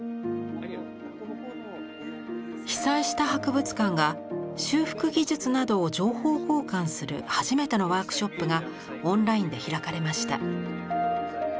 被災した博物館が修復技術などを情報交換する初めてのワークショップがオンラインで開かれました。